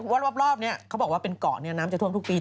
วับเนี่ยเขาบอกว่าเป็นเกาะเนี่ยน้ำจะท่วมทุกปี